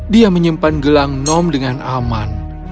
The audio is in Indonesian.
dia menyimpan gelang nom dengan aman